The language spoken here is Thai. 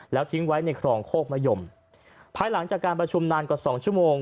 แล้วทิ้งไว้ในครองโคกมะยมภายหลังจากการประชุมนานกว่าสองชั่วโมง